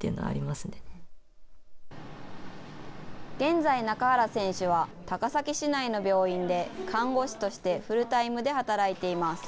現在、中原選手は高崎市内の病院で看護師としてフルタイムで働いています。